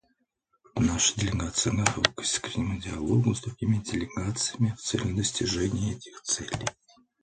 Наша делегация готова к искреннему диалогу с другими делегациями в целях достижения этих целей.